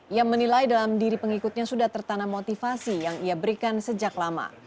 ia menilai dalam diri pengikutnya sudah tertanam motivasi yang ia berikan sejak lama